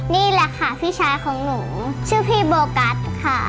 นี่แหละค่ะพี่ชายของหนูชื่อพี่โบกัสค่ะ